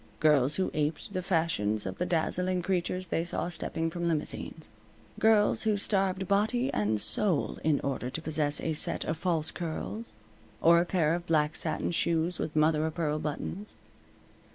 Girls who aped the fashions of the dazzling creatures they saw stepping from limousines. Girls who starved body and soul in order to possess a set of false curls, or a pair of black satin shoes with mother o' pearl buttons.